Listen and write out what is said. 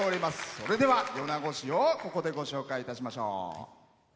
それでは、米子市をご紹介いたしましょう。